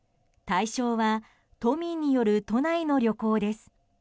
対象は都民による都内の旅行です。